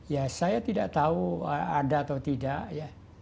ya saya tidak tahu ada atau tidak ya